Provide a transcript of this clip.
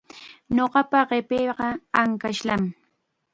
Ñuqapa qipiiqa ankashllam.